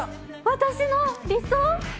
私の理想？